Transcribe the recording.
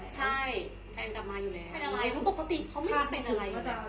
จะเกิดอีกเหรอ